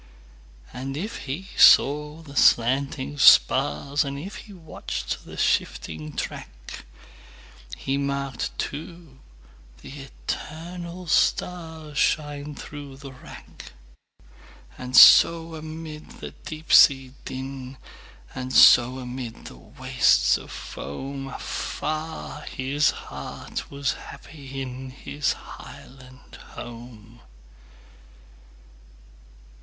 And if he saw the slanting spars, And if he watched the shifting track, He marked, too, the eternal starsShine through the wrack. And so amid the deep sea din, And so amid the wastes of foam, Afar his heart was happy inHis highland home!